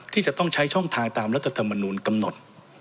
ที่จะต้องใช้ช่องทางตามรัฐธรรมนูลกำหนด